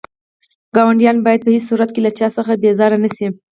ګاونډيان بايد په هيڅ صورت له چا څخه بيزاره نه شئ.